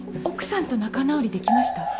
奥さんと仲直りできました？